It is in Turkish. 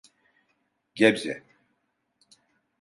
Gebze